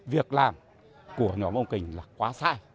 việc làm của nhóm ông kỳnh là quá sai